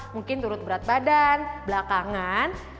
mungkin turut berat badan belakangan